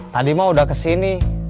tadi mah udah kesini